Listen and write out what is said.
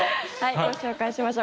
ご紹介しましょう。